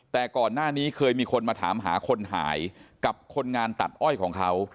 แต่ก่อนหน้านี้เคยมีคนมาถามหาคนหายกับคนงานตัดอ้อยของเขา